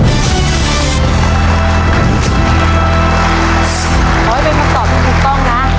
ขอให้เป็นคำตอบที่ถูกต้องนะ